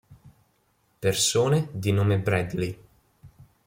Persone di nome Bradley